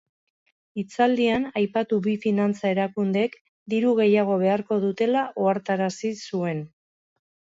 Hitzaldian, aipatu bi finantza erakundeek diru gehiago beharko dutela ohartarazi zuen.